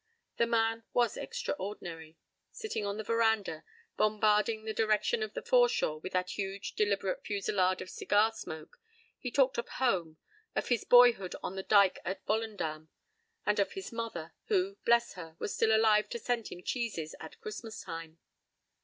p> The man was extraordinary. Sitting on the veranda, bombarding the direction of the foreshore with that huge deliberate fusillade of cigar smoke, he talked of home, of his boyhood on the dike at Volendam, and of his mother, who, bless her! was still alive to send him cheeses at Christmas time.